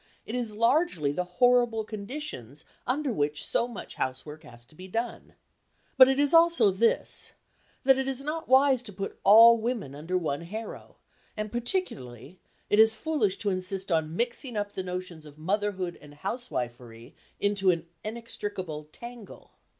It is largely the horrible conditions under which so much housework has to be done. But it is also this: that it is not wise to put all women under one harrow, and particularly it is foolish to insist on mixing up the notions of motherhood and housewifery into an inextricable tangle.